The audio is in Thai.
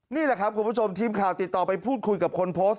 นี่แหละครับคุณผู้ชมทีมข่าวติดต่อไปพูดคุยกับคนโพสต์